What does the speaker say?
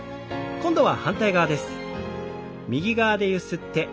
今度は反対側です。